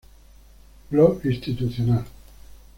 Blog institucional.